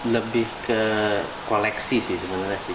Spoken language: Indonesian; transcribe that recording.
lebih ke koleksi sih sebenarnya sih